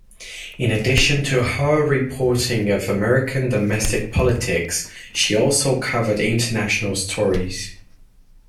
In addition to her reporting of American domestic politics, she also covered international stories.